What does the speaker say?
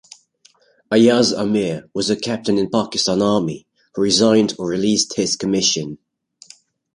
Ayaz Amir was a captain in Pakistan Army who resigned or released his commission.